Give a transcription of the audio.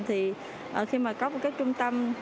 thì khi mà có một cái trung tâm